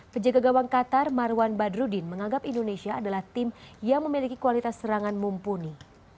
pejaga gawang qatar marwan badruddin mengagap indonesia adalah tim yang memiliki kualitas serangan mumpuni